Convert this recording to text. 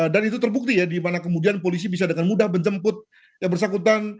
dan itu terbukti ya di mana kemudian polisi bisa dengan mudah menjemput yang bersangkutan